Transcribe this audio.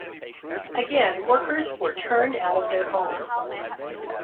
Again workers were turned out of their homes.